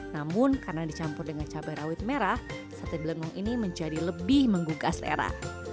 namun karena dicampur dengan cabai rawit merah sate blengong ini menjadi lebih menggugah selera